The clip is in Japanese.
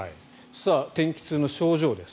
天気痛の症状です。